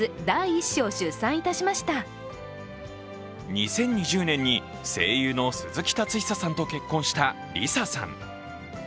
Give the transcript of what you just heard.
２０２０年に声優の鈴木達央さんと結婚したＬｉＳＡさん。